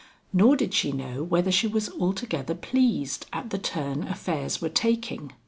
Nor did she know whether she was altogether pleased at the turn affairs were taking.